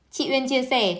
chị uyên chia sẻ